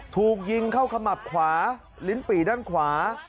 ถูกยิงเข้าขมับขวาลิ้นปี่ด้านขวา